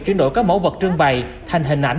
chuyển đổi các mẫu vật trưng bày thành hình ảnh